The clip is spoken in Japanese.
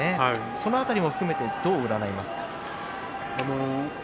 その辺りを含めてどう占いますか？